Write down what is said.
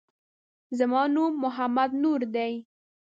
زما نوم محمد نور دی